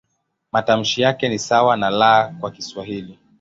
Matamshi yake ni sawa na "L" kwa Kiswahili.